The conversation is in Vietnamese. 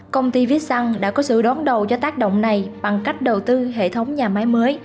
công ty vitsung đã có sự đón đầu cho tác động này bằng cách đầu tư hệ thống nhà máy mới